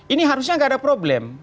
ini harusnya nggak ada problem